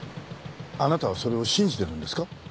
あなたはそれを信じてるんですか？